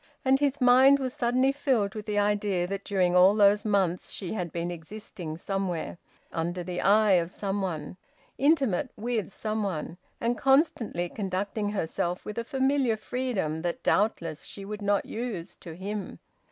And his mind was suddenly filled with the idea that during all those months she had been existing somewhere, under the eye of some one, intimate with some one, and constantly conducting herself with a familiar freedom that doubtless she would not use to him.